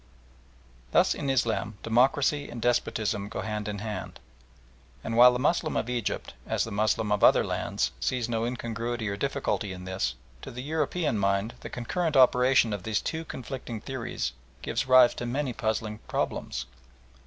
Thus in Islam democracy and despotism go hand in hand; and while the Moslem of Egypt, as the Moslem of other lands, sees no incongruity or difficulty in this, to the European mind the concurrent operation of these two conflicting theories gives rise to many puzzling problems.